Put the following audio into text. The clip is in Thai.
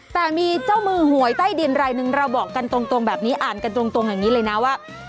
แต่มีเจ้ามือหวยใต้ดินรายหนึ่งเราบอกกันตรงแบบนี้อ่านกันตรงอย่างนี้เลยนะว่า